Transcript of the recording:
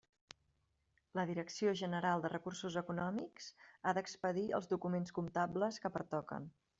La Direcció General de Recursos Econòmics ha d'expedir els documents comptables que pertoquen.